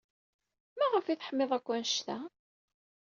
Maɣef ay teḥmid akk anect-a?